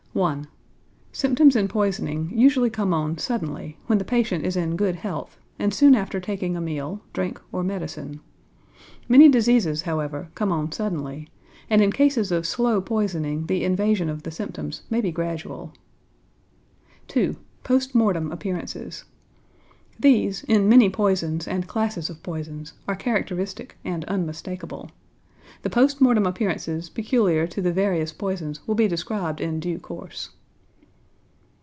1. Symptoms in poisoning usually come on suddenly, when the patient is in good health, and soon after taking a meal, drink, or medicine. Many diseases, however, come on suddenly, and in cases of slow poisoning the invasion of the symptoms may be gradual. 2. Post Mortem Appearances. These in many poisons and classes of poisons are characteristic and unmistakable. The post mortem appearances peculiar to the various poisons will be described in due course.